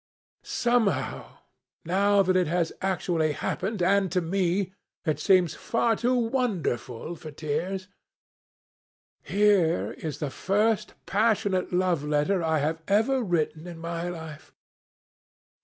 Somehow, now that it has happened actually, and to me, it seems far too wonderful for tears. Here is the first passionate love letter I have ever written in my life.